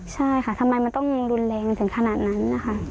ใช่ค่ะทำไมมันต้องรุนแรงถึงขนาดนั้นนะคะ